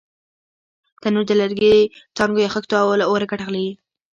تنور د لرګي، څانګو یا خښتو له اوره ګټه اخلي